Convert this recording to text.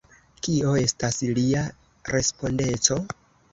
Kio estas lia respondeco?